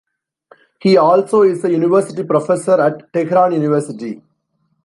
He also is a university professor at Tehran University.